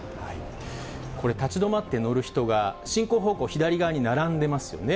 これ、立ち止まって乗る人が、進行方向左側に並んでますよね。